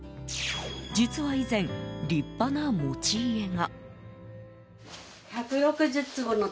実は以前、立派な持ち家が。